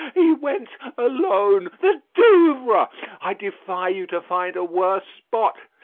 He went alone. The Douvres! I defy you to find a worse spot.